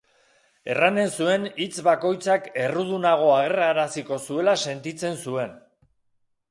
Erranen zuen hitz bakoitzak errudunago agerraraziko zuela sentitzen zuen.